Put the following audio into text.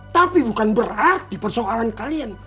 tapi bukan berarti persoalan kalian